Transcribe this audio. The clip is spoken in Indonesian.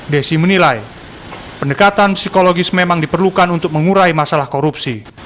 desi menilai pendekatan psikologis memang diperlukan untuk mengurai masalah korupsi